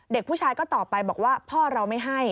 เด็กผู้ชายก็ตอบไปบอกว่าพ่อเราไม่ให้